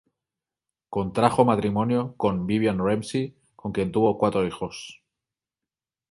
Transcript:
Contrajo matrimonio con Vivian Ramsay, con quien tuvo cuatro hijos.